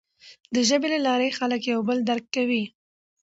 د ژبې له لارې خلک یو بل درک کوي.